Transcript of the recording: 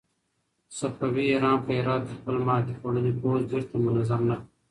صفوي ایران په هرات کې خپل ماتې خوړلی پوځ بېرته منظم نه کړ.